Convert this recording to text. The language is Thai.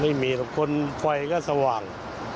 ไม่มีหรอกคนไฟก็สว่าง